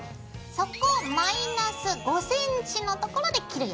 そこをマイナス５ｃｍのところで切るよ。